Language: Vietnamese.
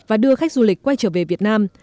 và đưa khách du lịch quay trở về việt nam